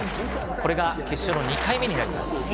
これが決勝の２回目になります。